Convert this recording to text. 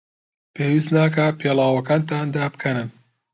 پێویست ناکات پێڵاوەکانتان دابکەنن.